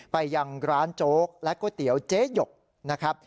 ไปยังร้านโจ๊กและก๋วยเตี๋ยวเจ๊หยกนะครับ